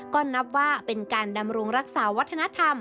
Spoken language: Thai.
ก็นับว่าเป็นการดำรุงรักษาวัฒนธรรม